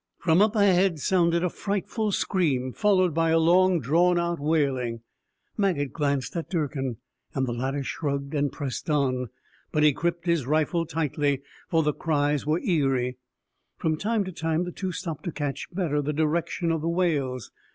From up ahead sounded a frightful scream, followed by a long drawn out wailing. Maget glanced at Durkin, and the latter shrugged, and pressed on. But he gripped his rifle tightly, for the cries were eery. From time to time the two stopped to catch better the direction of the wails.